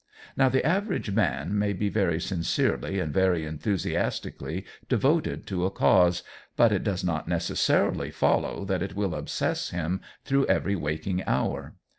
Now the average man may be very sincerely and very enthusiastically devoted to a cause; but it does not necessarily follow that it will obsess him through every waking hour.